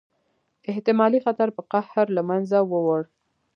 احتمالي خطر په قهر له منځه ووړ.